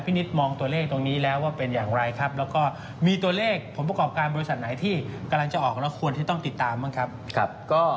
พี่นิดมองตัวเลขตรงนี้แล้วว่าเป็นอย่างไรครับ